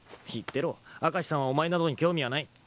言ってろ明石さんはお前などに興味はない。